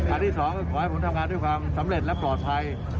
ที่สองก็ขอให้ผมทำงานด้วยความสำเร็จและปลอดภัย